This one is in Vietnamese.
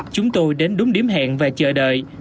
chúng tôi đến đúng điểm hẹn và chờ đợi